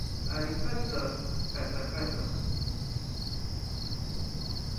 Alikataa katakata